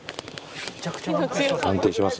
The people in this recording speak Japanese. めちゃくちゃ安定しますね。